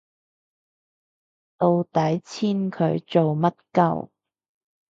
到底簽佢做乜 𨳊